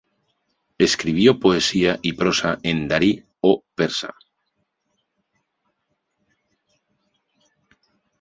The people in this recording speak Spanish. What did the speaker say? Escribió poesía y prosa en Dari o Persa.